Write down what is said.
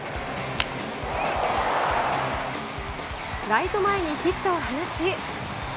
ライト前にヒットを放ち。